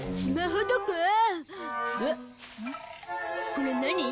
これ何？